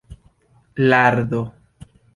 lardo